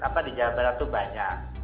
iya di pesantren di jawa barat itu banyak